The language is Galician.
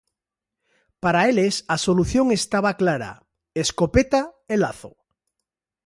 Para eles a solución estaba clara, escopeta e lazo.